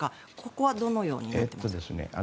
ここはどのようになってますか？